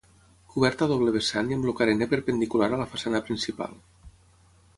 Coberta a doble vessant i amb el carener perpendicular a la façana principal.